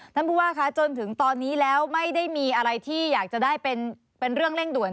ท่านผู้ว่าคะจนถึงตอนนี้แล้วไม่ได้มีอะไรที่อยากจะได้เป็นเรื่องเร่งด่วน